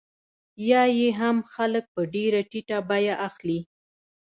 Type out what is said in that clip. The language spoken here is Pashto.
یا یې هم خلک په ډېره ټیټه بیه اخلي